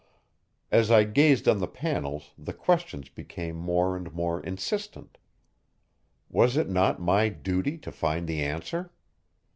As I gazed on the panels the questions became more and more insistent. Was it not my duty to find the answer?